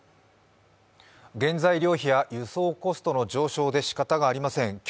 原材料費や輸送コストの上昇で仕方がありません。